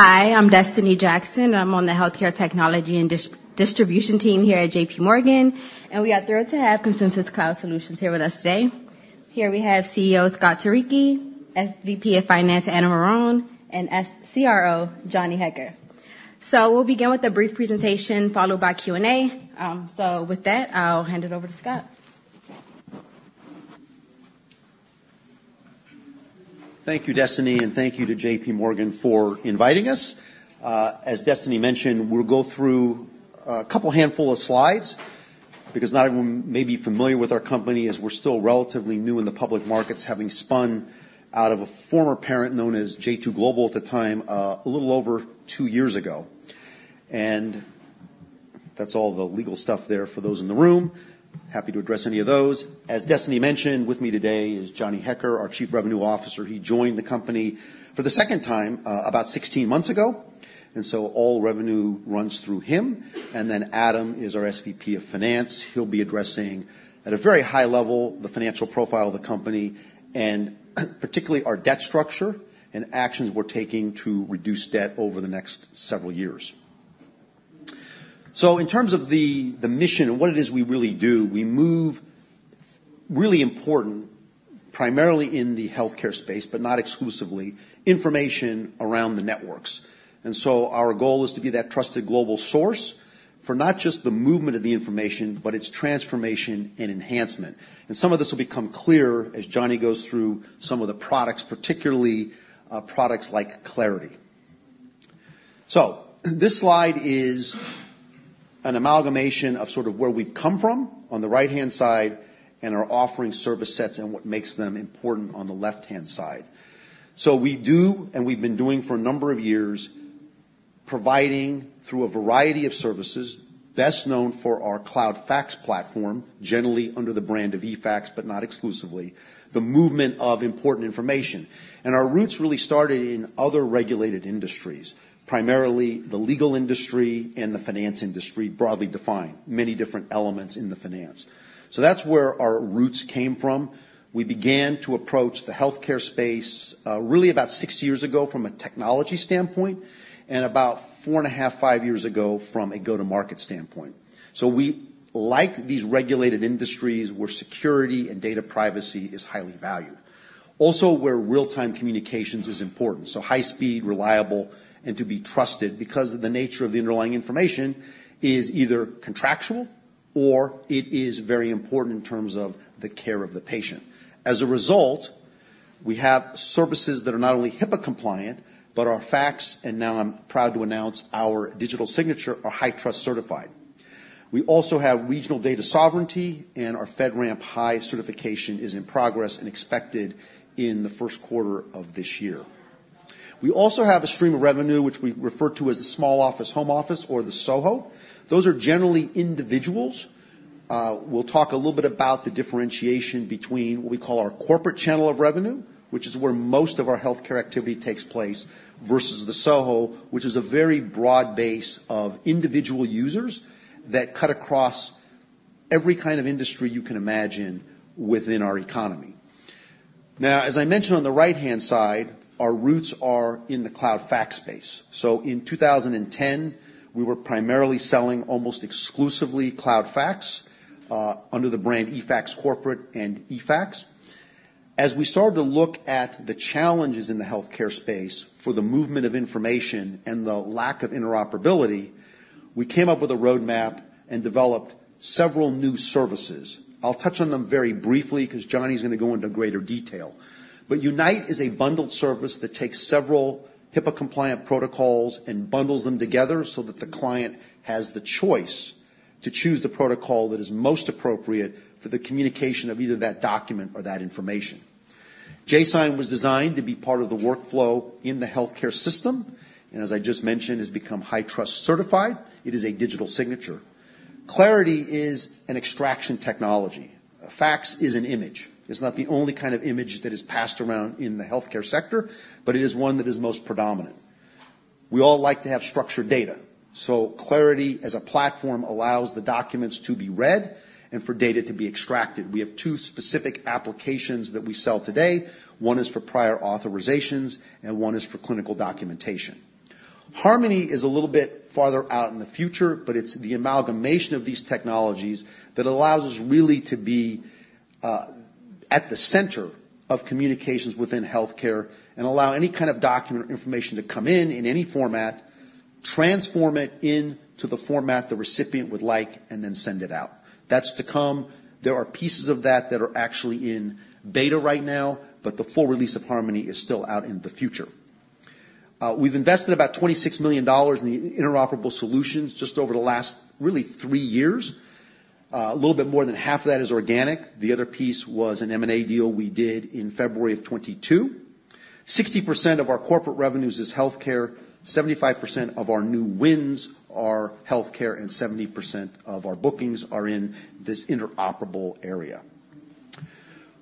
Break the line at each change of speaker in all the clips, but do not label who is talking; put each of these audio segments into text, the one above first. Hi, I'm Destiny Jackson, and I'm on the Healthcare Technology and Distribution team here at J.P. Morgan, and we are thrilled to have Consensus Cloud Solutions here with us today. Here we have CEO Scott Turicchi, SVP of Finance Adam Varon, and CRO Johnny Hekker. So we'll begin with a brief presentation, followed by Q&A. So with that, I'll hand it over to Scott.
Thank you, Destiny, and thank you to J.P. Morgan for inviting us. As Destiny mentioned, we'll go through a couple handful of slides because not everyone may be familiar with our company, as we're still relatively new in the public markets, having spun out of a former parent known as J2 Global at the time, a little over two years ago. And that's all the legal stuff there for those in the room. Happy to address any of those. As Destiny mentioned, with me today is Johnny Hekker, our Chief Revenue Officer. He joined the company for the second time, about 16 months ago, and so all revenue runs through him. And then Adam is our SVP of Finance. He'll be addressing, at a very high level, the financial profile of the company, and particularly our debt structure and actions we're taking to reduce debt over the next several years. So in terms of the mission and what it is we really do, we move really important, primarily in the healthcare space, but not exclusively, information around the networks. And so our goal is to be that trusted global source for not just the movement of the information, but its transformation and enhancement. And some of this will become clearer as Johnny goes through some of the products, particularly products like Clarity. So this slide is an amalgamation of sort of where we've come from on the right-hand side, and our offering service sets and what makes them important on the left-hand side. So we do, and we've been doing for a number of years, providing through a variety of services, best known for our cloud fax platform, generally under the brand of eFax, but not exclusively, the movement of important information. And our roots really started in other regulated industries, primarily the legal industry and the finance industry, broadly defined, many different elements in the finance. So that's where our roots came from. We began to approach the healthcare space, really about six years ago from a technology standpoint, and about four and a half, five years ago from a go-to-market standpoint. So we like these regulated industries where security and data privacy is highly valued. Also, where real-time communications is important, so high speed, reliable, and to be trusted because of the nature of the underlying information is either contractual or it is very important in terms of the care of the patient. As a result, we have services that are not only HIPAA compliant, but our fax, and now I'm proud to announce our digital signature, are HITRUST certified. We also have regional data sovereignty, and our FedRAMP High certification is in progress and expected in the Q1 of this year. We also have a stream of revenue, which we refer to as the small office, home office or the SOHO. Those are generally individuals. We'll talk a little bit about the differentiation between what we call our corporate channel of revenue, which is where most of our healthcare activity takes place, versus the SOHO, which is a very broad base of individual users that cut across every kind of industry you can imagine within our economy. Now, as I mentioned, on the right-hand side, our roots are in the cloud fax space. So in 2010, we were primarily selling almost exclusively cloud fax under the brand eFax Corporate and eFax. As we started to look at the challenges in the healthcare space for the movement of information and the lack of interoperability, we came up with a roadmap and developed several new services. I'll touch on them very briefly because Johnny's gonna go into greater detail. But Unite is a bundled service that takes several HIPAA-compliant protocols and bundles them together so that the client has the choice to choose the protocol that is most appropriate for the communication of either that document or that information. Jsign was designed to be part of the workflow in the healthcare system, and as I just mentioned, has become HITRUST certified. It is a digital signature. Clarity is an extraction technology. A fax is an image. It's not the only kind of image that is passed around in the healthcare sector, but it is one that is most predominant. We all like to have structured data, so Clarity, as a platform, allows the documents to be read and for data to be extracted. We have two specific applications that we sell today. One is for prior authorizations, and one is for clinical documentation. Harmony is a little bit farther out in the future, but it's the amalgamation of these technologies that allows us really to be at the center of communications within healthcare and allow any kind of document or information to come in, in any format, transform it into the format the recipient would like, and then send it out. That's to come. There are pieces of that that are actually in beta right now, but the full release of Harmony is still out in the future. We've invested about $26 million in the interoperable solutions just over the last, really three years. A little bit more than half of that is organic. The other piece was an M&A deal we did in February of 2022. 60% of our corporate revenues is healthcare, 75% of our new wins are healthcare, and 70% of our bookings are in this interoperable area.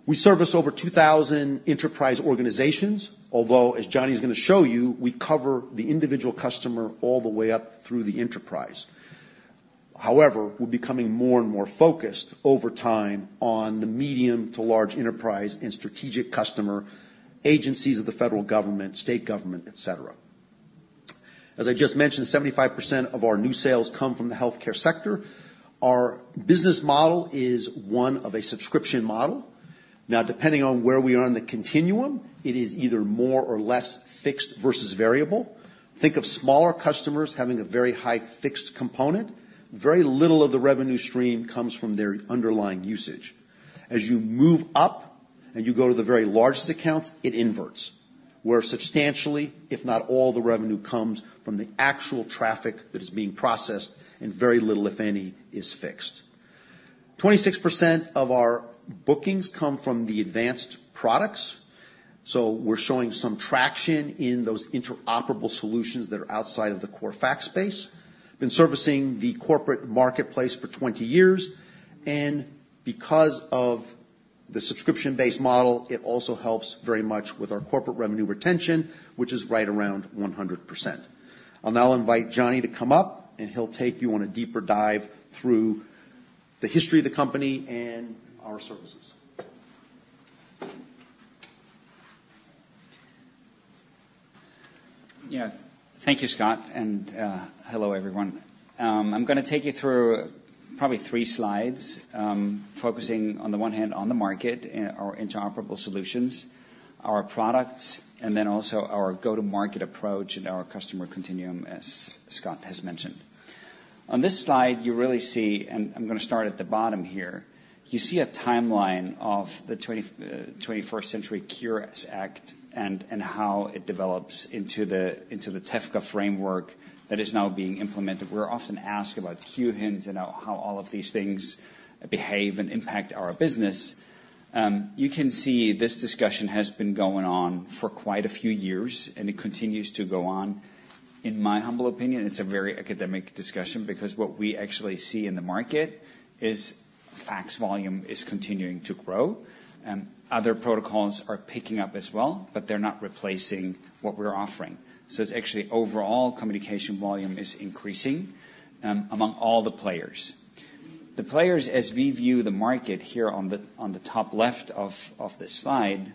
We service over 2,000 enterprise organizations, although, as Johnny's gonna show you, we cover the individual customer all the way up through the enterprise... however, we're becoming more and more focused over time on the medium to large enterprise and strategic customer, agencies of the federal government, state government, et cetera. As I just mentioned, 75% of our new sales come from the healthcare sector. Our business model is one of a subscription model. Now, depending on where we are in the continuum, it is either more or less fixed versus variable. Think of smaller customers having a very high fixed component. Very little of the revenue stream comes from their underlying usage. As you move up and you go to the very largest accounts, it inverts, where substantially, if not all the revenue, comes from the actual traffic that is being processed, and very little, if any, is fixed. 26% of our bookings come from the advanced products, so we're showing some traction in those interoperable solutions that are outside of the core fax space. Been servicing the corporate marketplace for 20 years, and because of the subscription-based model, it also helps very much with our corporate revenue retention, which is right around 100%. I'll now invite Johnny to come up, and he'll take you on a deeper dive through the history of the company and our services.
Yeah. Thank you, Scott, and hello, everyone. I'm gonna take you through probably three slides, focusing on the one hand on the market and our interoperable solutions, our products, and then also our go-to-market approach and our customer continuum, as Scott has mentioned. On this slide, you really see, and I'm gonna start at the bottom here, you see a timeline of the Twenty-First Century Cures Act and how it develops into the TEFCA framework that is now being implemented. We're often asked about queue hints and how all of these things behave and impact our business. You can see this discussion has been going on for quite a few years, and it continues to go on. In my humble opinion, it's a very academic discussion because what we actually see in the market is fax volume is continuing to grow, and other protocols are picking up as well, but they're not replacing what we're offering. So it's actually overall, communication volume is increasing among all the players. The players, as we view the market here on the top left of this slide,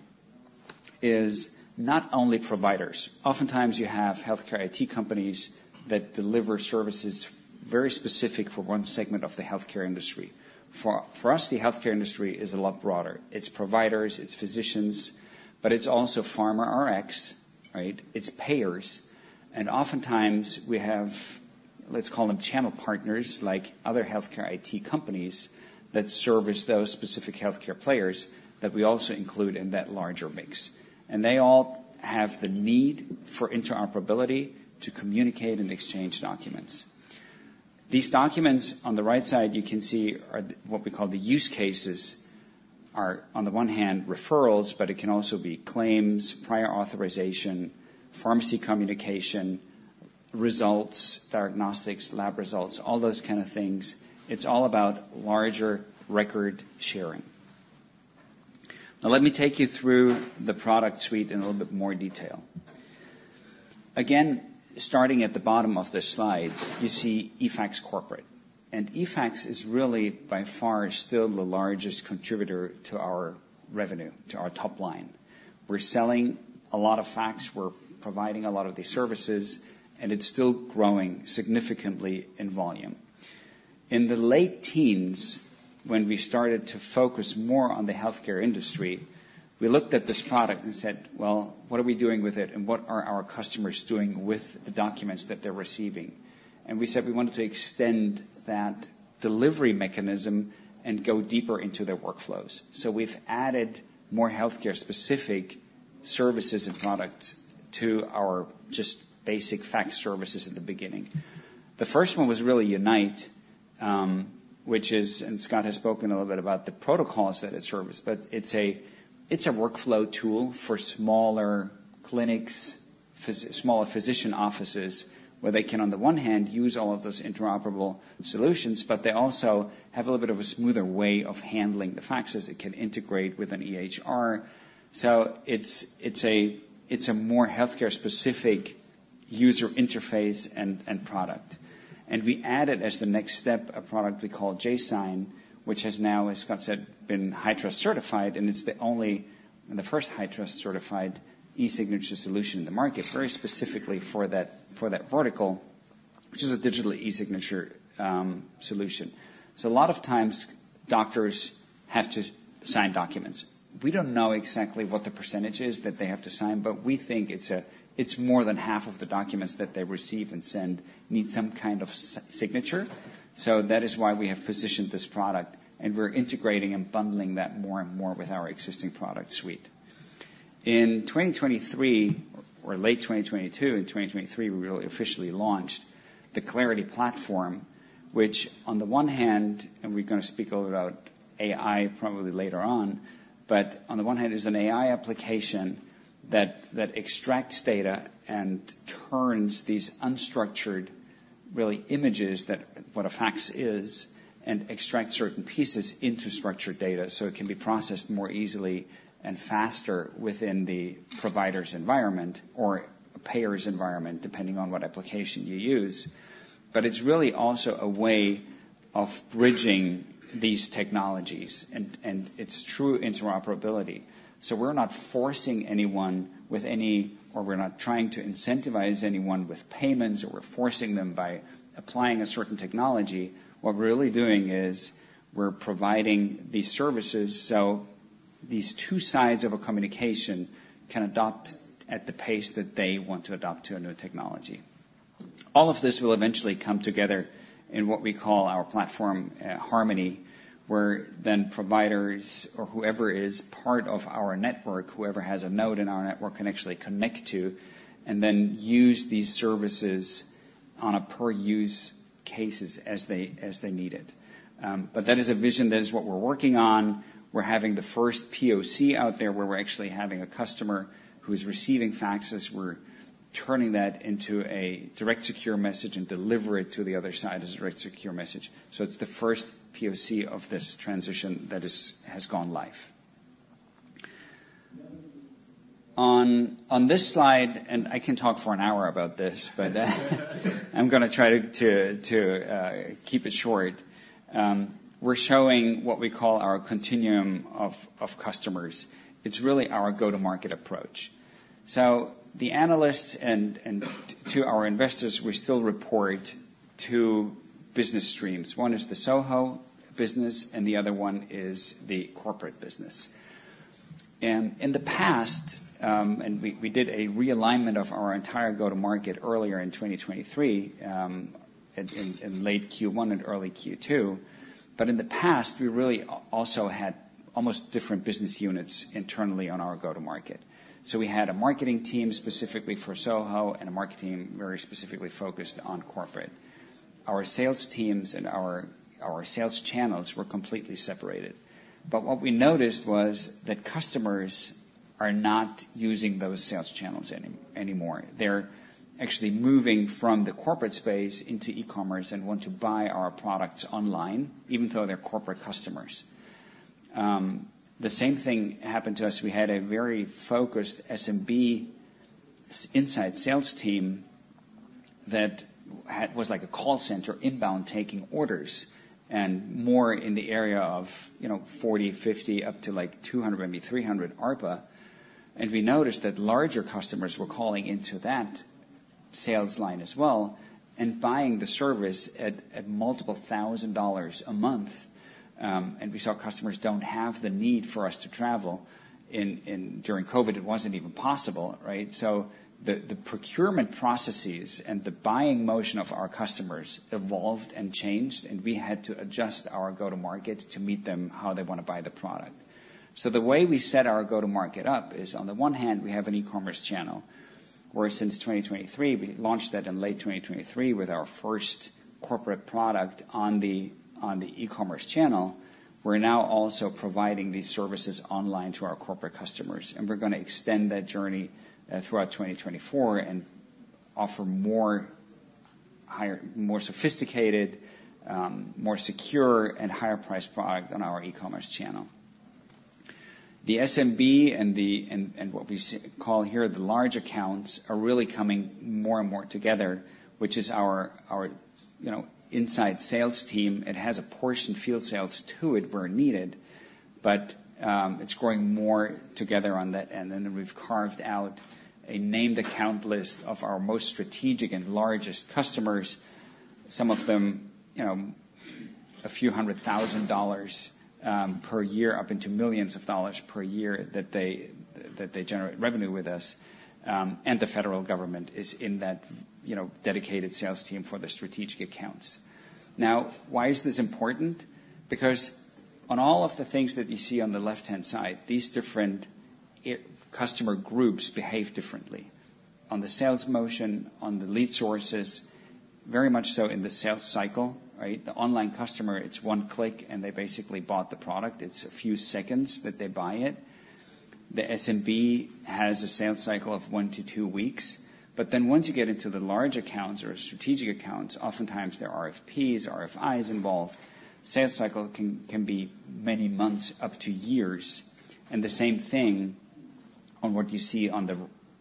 is not only providers. Oftentimes you have healthcare IT companies that deliver services very specific for one segment of the healthcare industry. For us, the healthcare industry is a lot broader. It's providers, it's physicians, but it's also Pharma Rx, right? It's payers, and oftentimes we have, let's call them channel partners, like other healthcare IT companies, that service those specific healthcare players that we also include in that larger mix. They all have the need for interoperability to communicate and exchange documents. These documents, on the right side, you can see, are what we call the use cases, are on the one hand, referrals, but it can also be claims, prior authorization, pharmacy communication, results, diagnostics, lab results, all those kind of things. It's all about larger record sharing. Now, let me take you through the product suite in a little bit more detail. Again, starting at the bottom of this slide, you see eFax Corporate, and eFax is really by far, still the largest contributor to our revenue, to our top line. We're selling a lot of fax, we're providing a lot of the services, and it's still growing significantly in volume. In the late teens, when we started to focus more on the healthcare industry, we looked at this product and said: "Well, what are we doing with it, and what are our customers doing with the documents that they're receiving?" And we said we wanted to extend that delivery mechanism and go deeper into their workflows. So we've added more healthcare-specific services and products to our just basic fax services at the beginning. The first one was really Unite, which is and Scott has spoken a little bit about the protocols that it services, but it's a workflow tool for smaller clinics, smaller physician offices, where they can, on the one hand, use all of those interoperable solutions, but they also have a little bit of a smoother way of handling the faxes. It can integrate with an EHR, so it's a more healthcare-specific user interface and product. And we added, as the next step, a product we call jSign, which has now, as Scott said, been HITRUST certified, and it's the only and the first HITRUST certified e-signature solution in the market, very specifically for that vertical, which is a digital e-signature solution. So a lot of times, doctors have to sign documents. We don't know exactly what the percentage is that they have to sign, but we think it's more than half of the documents that they receive and send need some kind of signature. So that is why we have positioned this product, and we're integrating and bundling that more and more with our existing product suite. In 2023, or late 2022, in 2023, we officially launched the Clarity platform, which on the one hand, and we're gonna speak a little about AI probably later on, but on the one hand, is an AI application that extracts data and turns these unstructured, really, images that what a fax is, and extracts certain pieces into structured data, so it can be processed more easily and faster within the provider's environment or a payer's environment, depending on what application you use. But it's really also a way of bridging these technologies, and it's true interoperability. So we're not forcing anyone with any or we're not trying to incentivize anyone with payments, or we're forcing them by applying a certain technology. What we're really doing is we're providing these services so these two sides of a communication can adopt at the pace that they want to adopt to a new technology. All of this will eventually come together in what we call our platform, Harmony, where then providers or whoever is part of our network, whoever has a node in our network, can actually connect to, and then use these services on a per-use cases as they, as they need it. But that is a vision. That is what we're working on. We're having the first POC out there, where we're actually having a customer who's receiving faxes. We're turning that into a Direct Secure Message and deliver it to the other side as a Direct Secure Message. So it's the first POC of this transition that is, has gone live. On this slide, and I can talk for an hour about this, but I'm gonna try to keep it short. We're showing what we call our continuum of customers. It's really our go-to-market approach. So the analysts and to our investors, we still report two business streams. One is the SoHo business, and the other one is the corporate business. And in the past, we did a realignment of our entire go-to-market earlier in 2023, in late Q1 and early Q2. But in the past, we really also had almost different business units internally on our go-to-market. So we had a marketing team specifically for SoHo, and a marketing very specifically focused on corporate. Our sales teams and our sales channels were completely separated. But what we noticed was that customers are not using those sales channels anymore. They're actually moving from the corporate space into e-commerce and want to buy our products online, even though they're corporate customers. The same thing happened to us. We had a very focused SMB inside sales team that was like a call center, inbound, taking orders, and more in the area of, you know, 40, 50, up to, like, 200, maybe 300 ARPA. And we noticed that larger customers were calling into that sales line as well and buying the service at multiple $1,000 a month. And we saw customers don't have the need for us to travel. In during COVID, it wasn't even possible, right? So the procurement processes and the buying motion of our customers evolved and changed, and we had to adjust our go-to-market to meet them how they want to buy the product. So the way we set our go-to-market up is, on the one hand, we have an e-commerce channel, where since 2023 we launched that in late 2023 with our first corporate product on the e-commerce channel. We're now also providing these services online to our corporate customers, and we're gonna extend that journey throughout 2024, and offer more sophisticated, more secure, and higher priced product on our e-commerce channel. The SMB and what we call here, the large accounts, are really coming more and more together, which is our, you know, inside sales team. It has a portion, field sales, to it where needed, but, it's growing more together on that. And then we've carved out a named account list of our most strategic and largest customers, some of them, you know, a few hundred thousand dollars, per year, up into millions of dollars per year, that they, that they generate revenue with us. And the federal government is in that, you know, dedicated sales team for the strategic accounts. Now, why is this important? Because on all of the things that you see on the left-hand side, these different e- customer groups behave differently. On the sales motion, on the lead sources, very much so in the sales cycle, right? The online customer, it's one click, and they basically bought the product. It's a few seconds that they buy it. The SMB has a sales cycle of 1-2 weeks. But then once you get into the large accounts or strategic accounts, oftentimes there are RFPs, RFIs involved. Sales cycle can be many months, up to years. The same thing on what you see on the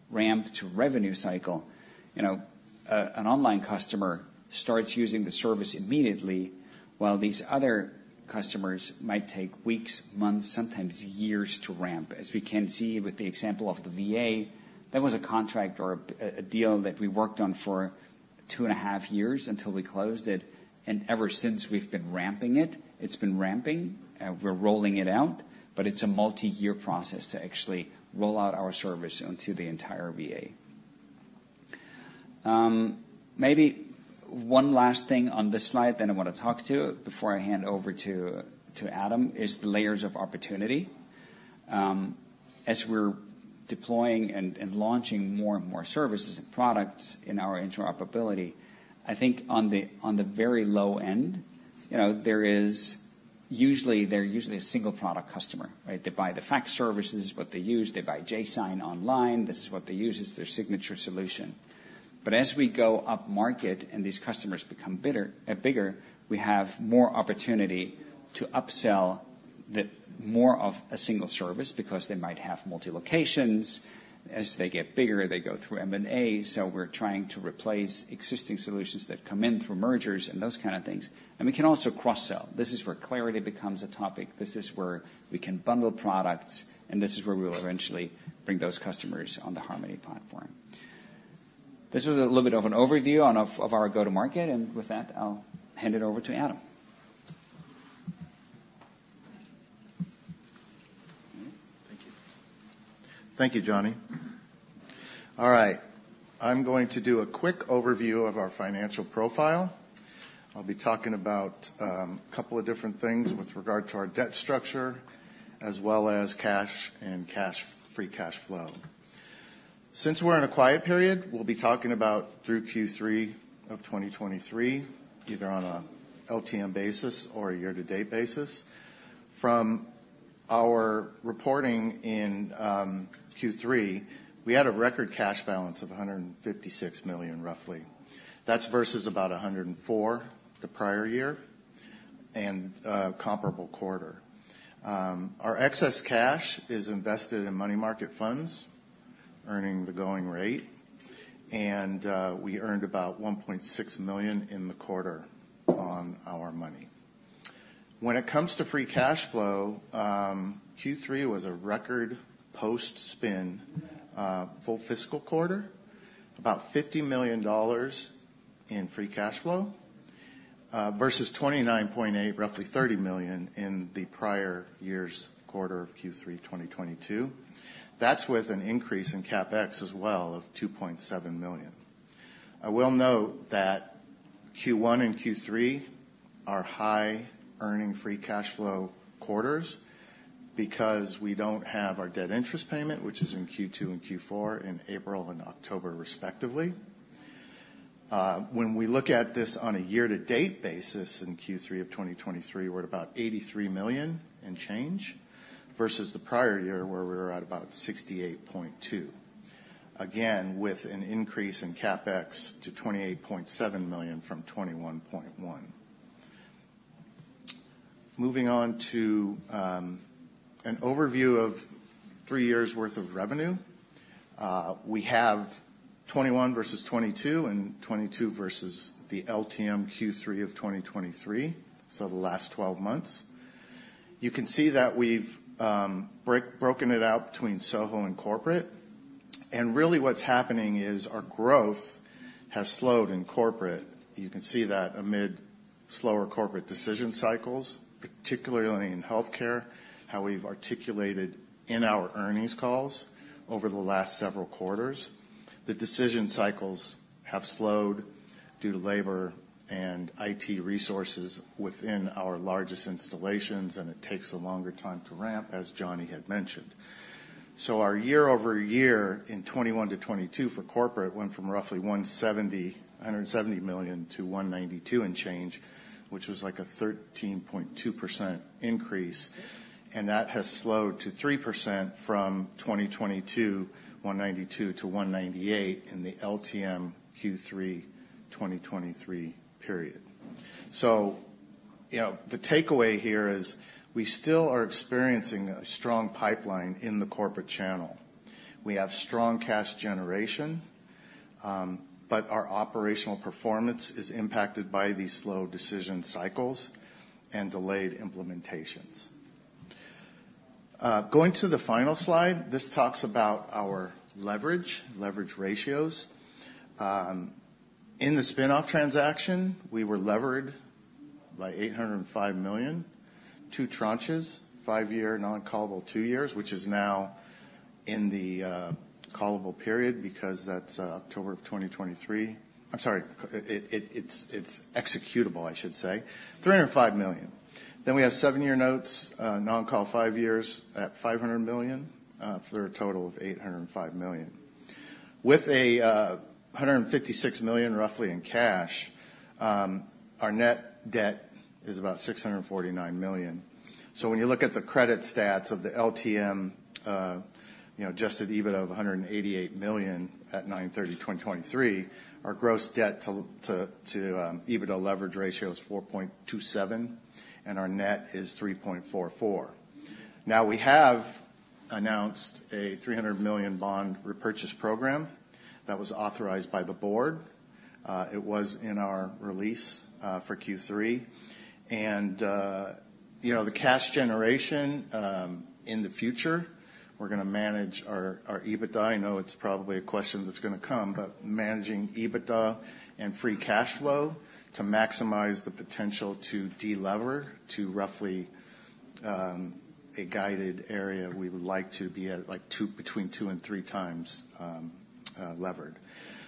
ramp to revenue cycle. You know, an online customer starts using the service immediately, while these other customers might take weeks, months, sometimes years to ramp. As we can see with the example of the VA, that was a contract or a deal that we worked on for two and a half years until we closed it, and ever since we've been ramping it. It's been ramping, we're rolling it out, but it's a multiyear process to actually roll out our service into the entire VA. Maybe one last thing on this slide that I want to talk to you before I hand it over to Adam is the layers of opportunity. As we're deploying and launching more and more services and products in our interoperability, I think on the very low end, you know, they're usually a single product customer, right? They buy the fax services, what they use, they buy jSign online. This is what they use as their signature solution. But as we go up market and these customers become bigger, we have more opportunity to upsell-... that more of a single service, because they might have multi locations. As they get bigger, they go through M&A. So we're trying to replace existing solutions that come in through mergers and those kind of things, and we can also cross-sell. This is where Clarity becomes a topic. This is where we can bundle products, and this is where we will eventually bring those customers on the Harmony platform. This was a little bit of an overview on our go-to-market, and with that, I'll hand it over to Adam.
Thank you. Thank you, Johnny. All right, I'm going to do a quick overview of our financial profile. I'll be talking about a couple of different things with regard to our debt structure, as well as cash and free cash flow. Since we're in a quiet period, we'll be talking about through Q3 of 2023, either on a LTM basis or a year-to-date basis. From our reporting in Q3, we had a record cash balance of $156 million, roughly. That's versus about $104 million the prior year and comparable quarter. Our excess cash is invested in money market funds, earning the going rate, and we earned about $1.6 million in the quarter on our money. When it comes to free cash flow, Q3 was a record post-spin full fiscal quarter, about $50 million in free cash flow versus $29.8 million, roughly $30 million in the prior year's quarter of Q3 2022. That's with an increase in CapEx as well of $2.7 million. I will note that Q1 and Q3 are high earning free cash flow quarters because we don't have our debt interest payment, which is in Q2 and Q4, in April and October, respectively. When we look at this on a year-to-date basis, in Q3 of 2023, we're at about $83 million and change, versus the prior year, where we were at about $68.2 million. Again, with an increase in CapEx to $28.7 million from $21.1 million. Moving on to an overview of three years' worth of revenue. We have 2021 versus 2022, and 2022 versus the LTM Q3 of 2023, so the last twelve months. You can see that we've broken it out between SoHo and corporate. And really, what's happening is our growth has slowed in corporate. You can see that amid slower corporate decision cycles, particularly in healthcare, how we've articulated in our earnings calls over the last several quarters. The decision cycles have slowed due to labor and IT resources within our largest installations, and it takes a longer time to ramp, as Johnny had mentioned. So our year-over-year in 2021 to 2022 for corporate, went from roughly $170 million to $192 million and change, which was like a 13.2% increase, and that has slowed to 3% from 2022, $192 million to $198 million in the LTM Q3 2023 period. So, you know, the takeaway here is we still are experiencing a strong pipeline in the corporate channel. We have strong cash generation, but our operational performance is impacted by these slow decision cycles and delayed implementations. Going to the final slide, this talks about our leverage, leverage ratios. In the spin-off transaction, we were levered by $805 million, two tranches, five-year non-callable, two years, which is now in the callable period, because that's October of 2023. I'm sorry, it's executable, I should say. $305 million. Then we have seven-year notes, non-call, five years at $500 million, for a total of $805 million. With a hundred and fifty-six million, roughly, in cash, our net debt is about $649 million. So when you look at the credit stats of the LTM, you know, adjusted EBITDA of $188 million at 9/30/2023, our gross debt to EBITDA leverage ratio is 4.27, and our net is 3.44. Now, we have announced a $300 million bond repurchase program that was authorized by the board. It was in our release for Q3. And, you know, the cash generation in the future, we're gonna manage our EBITDA. I know it's probably a question that's gonna come, but managing EBITDA and free cash flow to maximize the potential to delever to roughly a guided area. We would like to be at, like two—between 2 and 3 times, levered.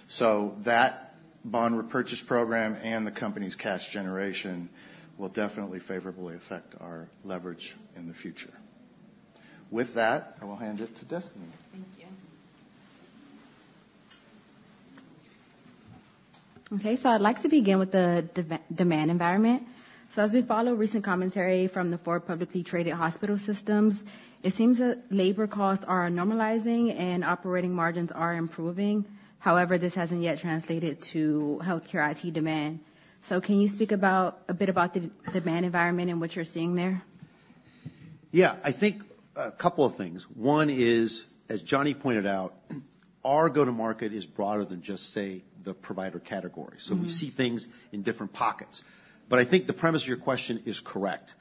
So that bond repurchase program and the company's cash generation will definitely favorably affect our leverage in the future. With that, I will hand it to Destiny. Thank you. Okay, I'd like to begin with the demand environment. As we follow recent commentary from the four publicly traded hospital systems, it seems that labor costs are normalizing and operating margins are improving. However, this hasn't yet translated to healthcare IT demand. Can you speak a bit about the demand environment and what you're seeing there?...
Yeah, I think a couple of things. One is, as Johnny pointed out, our go-to-market is broader than just say, the provider category.
Mm-hmm.
So we see things in different pockets. But I think the premise of your question is correct.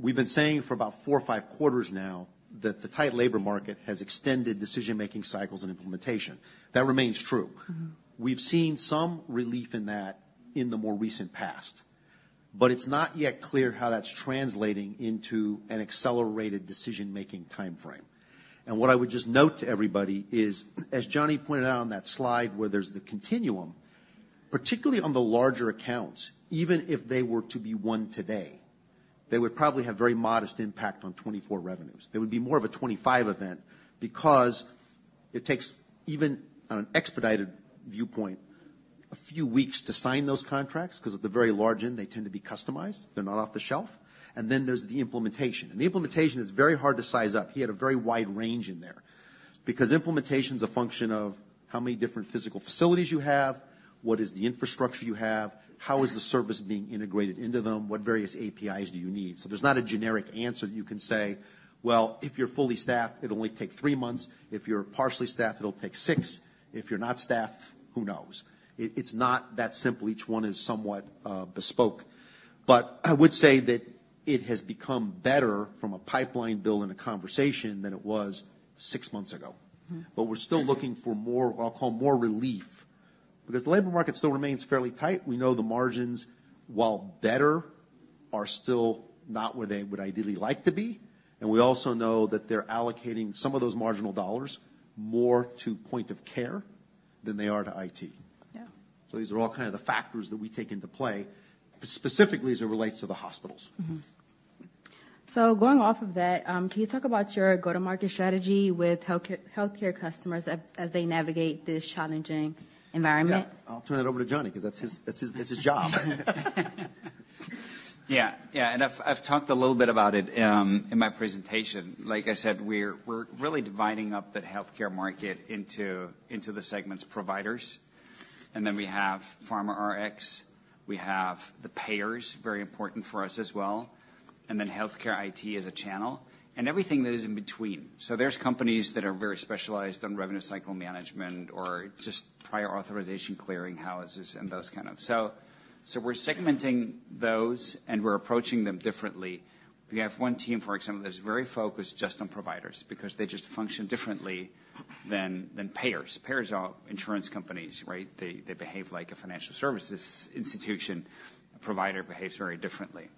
We've been saying for about Q4 OR Q5 now that the tight labor market has extended decision-making cycles and implementation. That remains true.
Mm-hmm.
We've seen some relief in that in the more recent past, but it's not yet clear how that's translating into an accelerated decision-making time frame. What I would just note to everybody is, as Johnny pointed out on that slide, where there's the continuum, particularly on the larger accounts, even if they were to be one today, they would probably have very modest impact on 2024 revenues. They would be more of a 2025 event because it takes even on an expedited viewpoint, a few weeks to sign those contracts, 'cause at the very large end, they tend to be customized. They're not off the shelf. And then there's the implementation, and the implementation is very hard to size up. He had a very wide range in there because implementation is a function of how many different physical facilities you have, what is the infrastructure you have, how is the service being integrated into them, what various APIs do you need? So there's not a generic answer that you can say, "Well, if you're fully staffed, it'll only take 3 months. If you're partially staffed, it'll take 6. If you're not staffed, who knows?" It's not that simple. Each one is somewhat bespoke. But I would say that it has become better from a pipeline bill in a conversation than it was 6 months ago.
Mm-hmm.
But we're still looking for more... what I'll call more relief, because the labor market still remains fairly tight. We know the margins, while better, are still not where they would ideally like to be, and we also know that they're allocating some of those marginal dollars more to point of care than they are to IT.
Yeah.
These are all kind of the factors that we take into play, specifically as it relates to the hospitals.
Mm-hmm. So going off of that, can you talk about your go-to-market strategy with healthcare customers as they navigate this challenging environment?
Yeah. I'll turn it over to Johnny, because that's his, that's his job.
Yeah. Yeah, and I've talked a little bit about it in my presentation. Like I said, we're really dividing up the healthcare market into the segments providers, and then we have pharma Rx, we have the payers, very important for us as well, and then healthcare IT as a channel, and everything that is in between. So there's companies that are very specialized on revenue cycle management or just prior authorization, clearing houses and those kind of... So we're segmenting those, and we're approaching them differently. We have one team, for example, that's very focused just on providers because they just function differently than payers. Payers are insurance companies, right? They behave like a financial services institution. A provider behaves very differently.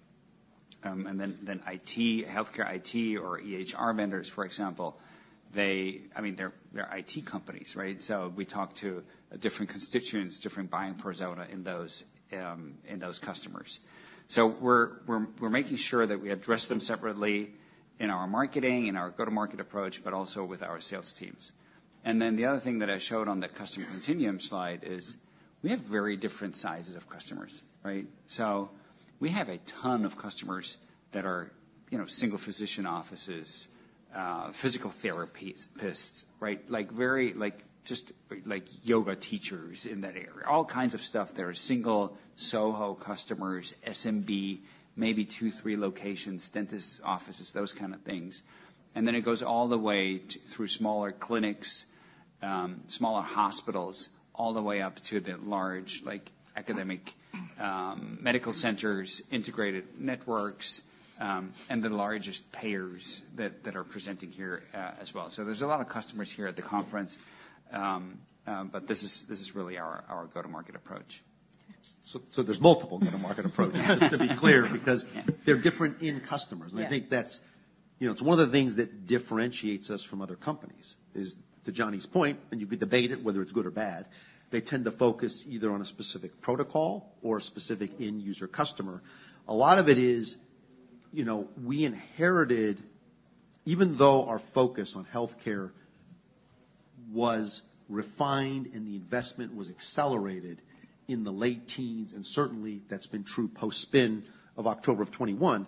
And then IT, healthcare IT or EHR vendors, for example, they... I mean, they're IT companies, right? So we talk to different constituents, different buying persona in those, in those customers. So we're making sure that we address them separately in our marketing, in our go-to-market approach, but also with our sales teams. And then the other thing that I showed on the customer continuum slide is we have very different sizes of customers, right? So we have a ton of customers that are, you know, single physician offices, physical therapists, right? Like, very like, just like, yoga teachers in that area. All kinds of stuff. There are single SoHo customers, SMB, maybe 2, 3 locations, dentist offices, those kind of things. And then it goes all the way to, through smaller clinics, smaller hospitals, all the way up to the large, like, academic, medical centers, integrated networks, and the largest payers that, that are presenting here, as well. There's a lot of customers here at the conference, but this is really our go-to-market approach.
Thanks.
So, there's multiple go-to-market approaches, just to be clear, because they're different in customers.
Yeah.
I think that's, you know, it's one of the things that differentiates us from other companies is, to Johnny's point, and you could debate it, whether it's good or bad, they tend to focus either on a specific protocol or a specific end user customer. A lot of it is, you know, we inherited... Even though our focus on healthcare was refined and the investment was accelerated in the late teens, and certainly that's been true post-spin of October 2021,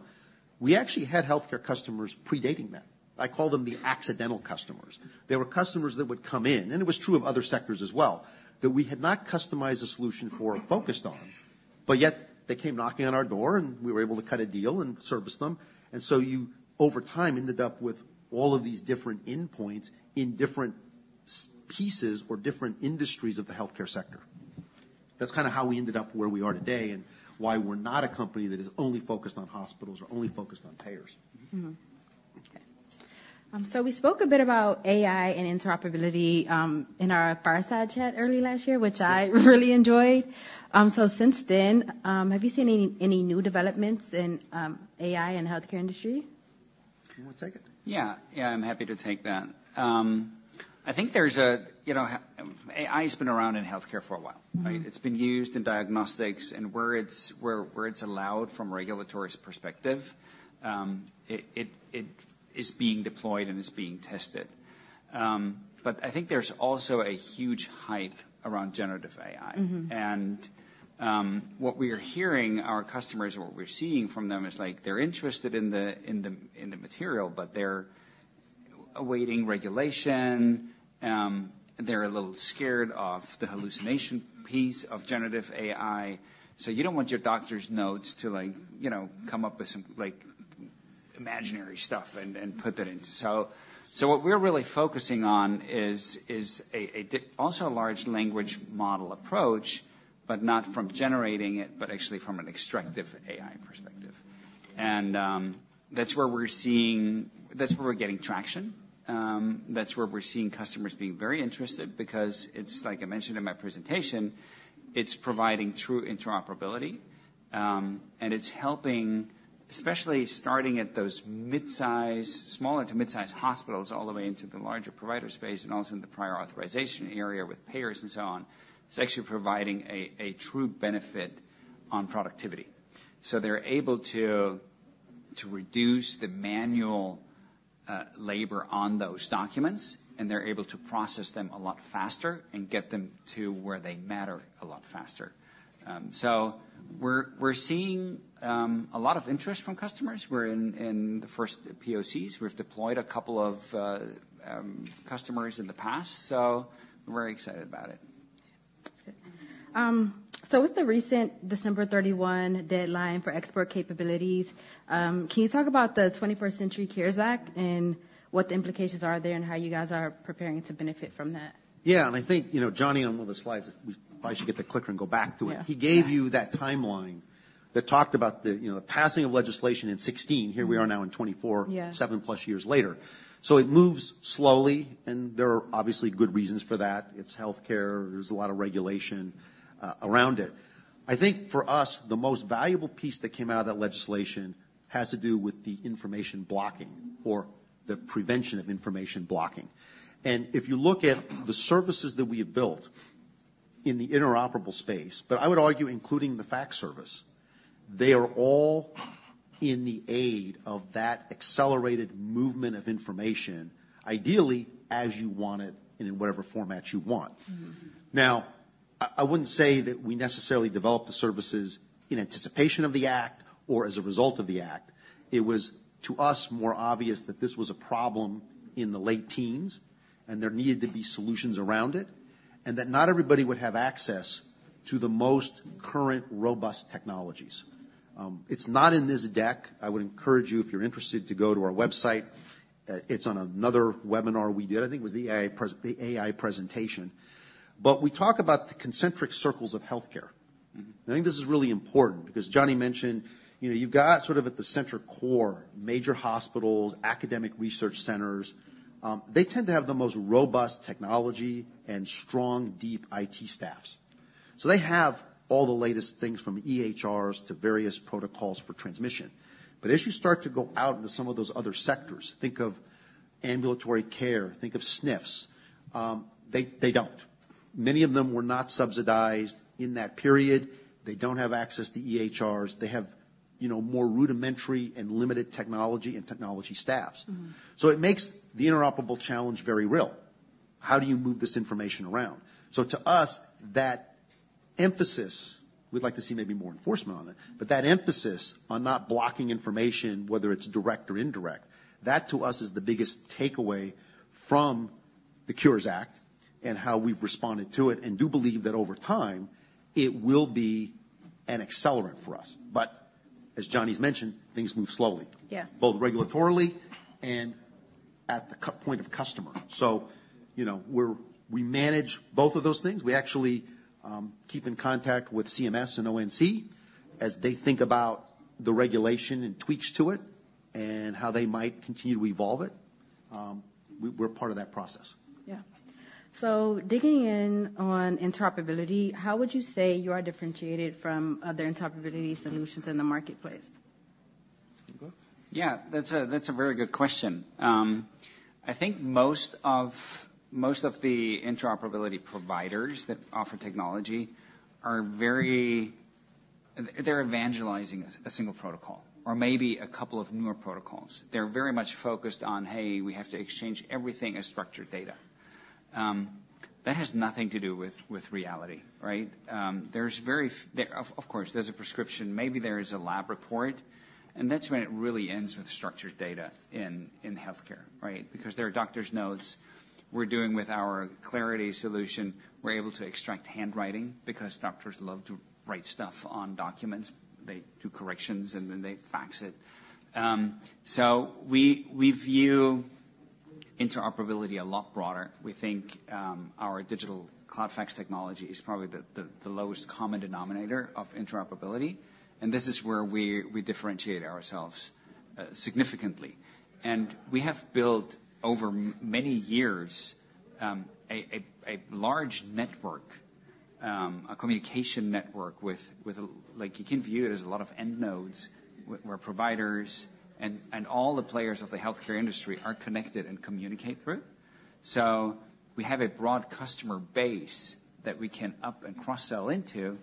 we actually had healthcare customers predating that. I call them the accidental customers. They were customers that would come in, and it was true of other sectors as well, that we had not customized a solution for or focused on, but yet they came knocking on our door, and we were able to cut a deal and service them. And so you, over time, ended up with all of these different endpoints in different pieces or different industries of the healthcare sector. That's kind of how we ended up where we are today and why we're not a company that is only focused on hospitals or only focused on payers.
Mm-hmm. Okay. So we spoke a bit about AI and interoperability in our Fireside Chat early last year, which I really enjoyed. So since then, have you seen any new developments in AI in the healthcare industry?
You want to take it?
Yeah. Yeah, I'm happy to take that. I think there's... You know, AI has been around in healthcare for a while, right?
Mm-hmm.
It's been used in diagnostics and where it's allowed from a regulatory perspective, it is being deployed, and it's being tested. But I think there's also a huge hype around generative AI.
Mm-hmm.
What we are hearing our customers, or what we're seeing from them is, like, they're interested in the material, but they're awaiting regulation. They're a little scared of the hallucination piece of generative AI. So you don't want your doctor's notes to like, you know, come up with some like imaginary stuff and put that into. So what we're really focusing on is also a large language model approach, but not from generating it, but actually from an extractive AI perspective. That's where we're getting traction. That's where we're seeing customers being very interested because it's like I mentioned in my presentation, it's providing true interoperability, and it's helping, especially starting at those mid-size, small to mid-size hospitals all the way into the larger provider space and also in the prior authorization area with payers and so on. It's actually providing a true benefit on productivity. So they're able to reduce the manual labor on those documents, and they're able to process them a lot faster and get them to where they matter a lot faster. So we're seeing a lot of interest from customers. We're in the first POCs. We've deployed a couple of customers in the past, so we're very excited about it.
That's good. With the recent December thirty-one deadline for export capabilities, can you talk about the Twenty-First Century Cures Act and what the implications are there and how you guys are preparing to benefit from that?
Yeah, and I think, you know, Johnny, on one of the slides, we probably should get the clicker and go back to it.
Yeah.
He gave you that timeline that talked about the, you know, the passing of legislation in 2016. Here we are now in 2024-
Yeah Seven+ years later. So it moves slowly, and there are obviously good reasons for that. It's healthcare. There's a lot of regulation around it. I think for us, the most valuable piece that came out of that legislation has to do with the information blocking or the prevention of information blocking. And if you look at the services that we have built in the interoperable space, but I would argue including the fax service, they are all in the aid of that accelerated movement of information, ideally as you want it and in whatever format you want. Mm-hmm.
Now, I wouldn't say that we necessarily developed the services in anticipation of the act or as a result of the act. It was, to us, more obvious that this was a problem in the late teens, and there needed to be solutions around it, and that not everybody would have access to the most current, robust technologies. It's not in this deck. I would encourage you, if you're interested, to go to our website. It's on another webinar we did. I think it was the AI presentation. But we talk about the concentric circles of healthcare.
Mm-hmm.
I think this is really important because Johnny mentioned, you know, you've got sort of at the center core, major hospitals, academic research centers. They tend to have the most robust technology and strong, deep IT staffs. So they have all the latest things from EHRs to various protocols for transmission. But as you start to go out into some of those other sectors, think of ambulatory care, think of SNFs, they don't. Many of them were not subsidized in that period. They don't have access to EHRs. They have, you know, more rudimentary and limited technology and technology staffs.
Mm-hmm.
So it makes the interoperability challenge very real. How do you move this information around? So to us, that emphasis—we'd like to see maybe more enforcement on it—but that emphasis on not blocking information, whether it's direct or indirect, that to us is the biggest takeaway from the Cures Act and how we've responded to it, and do believe that over time, it will be an accelerant for us. But as Johnny's mentioned, things move slowly-
Yeah...
both regulatorily and at the customer point. So, you know, we manage both of those things. We actually keep in contact with CMS and ONC as they think about the regulation and tweaks to it and how they might continue to evolve it. We're part of that process.
Yeah. Digging in on interoperability, how would you say you are differentiated from other interoperability solutions in the marketplace?
You go? Yeah, that's a very good question. I think most of the interoperability providers that offer technology are very... They're evangelizing a single protocol or maybe a couple of newer protocols. They're very much focused on, "Hey, we have to exchange everything as structured data." That has nothing to do with reality, right? Of course, there's a prescription. Maybe there is a lab report, and that's when it really ends with structured data in healthcare, right? Because there are doctor's notes we're doing with our Clarity solution. We're able to extract handwriting because doctors love to write stuff on documents. They do corrections, and then they fax it. So we view interoperability a lot broader. We think, our digital cloud fax technology is probably the lowest common denominator of interoperability, and this is where we differentiate ourselves significantly. We have built over many years a large network, a communication network with, like, you can view it as a lot of end nodes where providers and all the players of the healthcare industry are connected and communicate through. So we have a broad customer base that we can up and cross-sell into.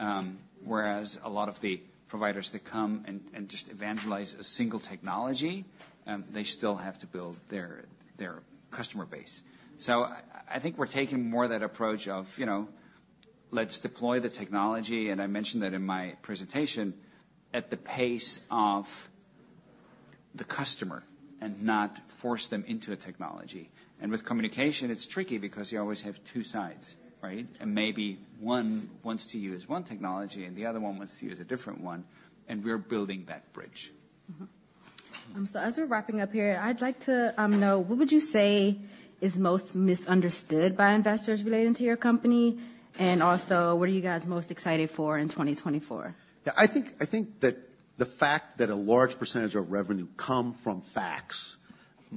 Mm-hmm.
Whereas a lot of the providers that come and and just evangelize a single technology, they still have to build their their customer base. So I think we're taking more of that approach of, you know, let's deploy the technology, and I mentioned that in my presentation, at the pace of the customer and not force them into a technology. And with communication, it's tricky because you always have two sides, right? And maybe one wants to use one technology, and the other one wants to use a different one, and we're building that bridge.
Mm-hmm. So as we're wrapping up here, I'd like to know, what would you say is most misunderstood by investors relating to your company? And also, what are you guys most excited for in 2024?
Yeah, I think, I think that the fact that a large percentage of revenue come from fax.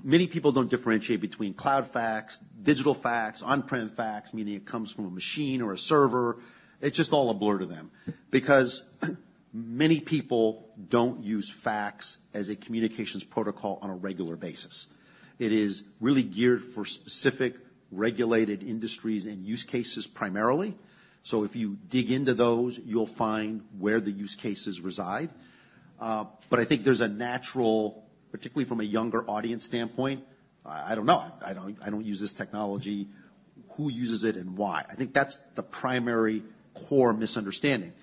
Many people don't differentiate between cloud fax, digital fax, on-prem fax, meaning it comes from a machine or a server. It's just all a blur to them because many people don't use fax as a communications protocol on a regular basis. It is really geared for specific regulated industries and use cases primarily. So if you dig into those, you'll find where the use cases reside. But I think there's a natural... particularly from a younger audience standpoint, I don't know. I don't, I don't use this technology, who uses it and why? I think that's the primary core misunderstanding.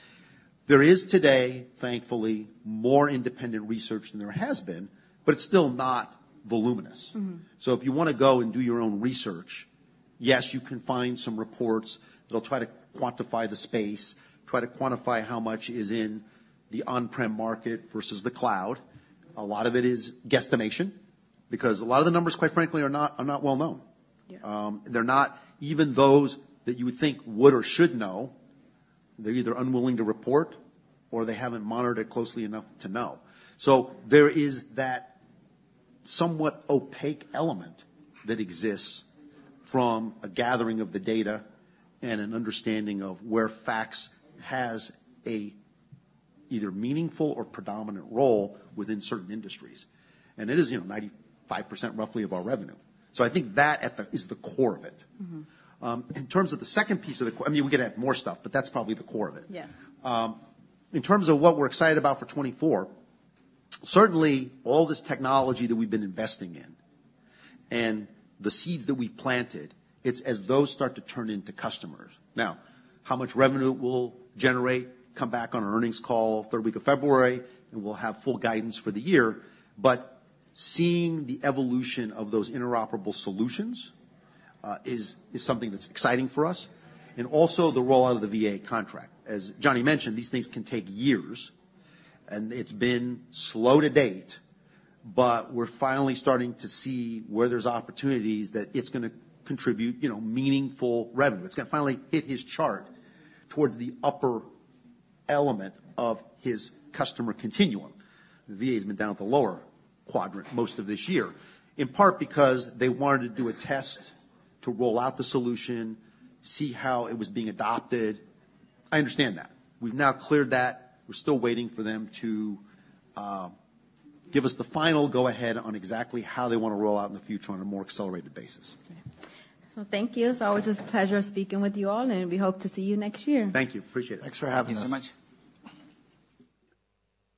There is today, thankfully, more independent research than there has been, but it's still not voluminous.
Mm-hmm.
So if you wanna go and do your own research, yes, you can find some reports that'll try to quantify the space, try to quantify how much is in the on-prem market versus the cloud. A lot of it is guesstimation, because a lot of the numbers, quite frankly, are not, are not well known.
Yeah.
They're not even those that you would think would or should know. They're either unwilling to report or they haven't monitored it closely enough to know. So there is that somewhat opaque element that exists from a gathering of the data and an understanding of where fax has a either meaningful or predominant role within certain industries. And it is, you know, 95% roughly of our revenue. So I think that at the-- is the core of it.
Mm-hmm.
In terms of the second piece of the... I mean, we could add more stuff, but that's probably the core of it.
Yeah.
In terms of what we're excited about for 2024, certainly all this technology that we've been investing in and the seeds that we've planted, it's as those start to turn into customers. Now, how much revenue it will generate, come back on our earnings call, third week of February, and we'll have full guidance for the year. But seeing the evolution of those interoperable solutions, is something that's exciting for us, and also the roll out of the VA contract. As Johnny mentioned, these things can take years, and it's been slow to date, but we're finally starting to see where there's opportunities that it's gonna contribute, you know, meaningful revenue. It's gonna finally hit his chart towards the upper element of his customer continuum. The VA's been down at the lower quadrant most of this year, in part because they wanted to do a test to roll out the solution, see how it was being adopted. I understand that. We've now cleared that. We're still waiting for them to give us the final go ahead on exactly how they wanna roll out in the future on a more accelerated basis.
Okay. So thank you. It's always a pleasure speaking with you all, and we hope to see you next year.
Thank you. Appreciate it.
Thanks for having us.
Thank you so much.